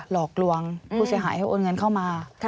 หลอกลวงผู้เสียหายให้โอนเงินเข้ามา